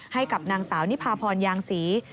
ให้กับนางสาวนิพาพรยางศรี